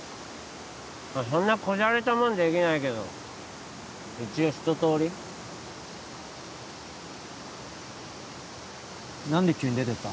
そんなこじゃれたもんできないけど一応ひととおり何で急に出てった？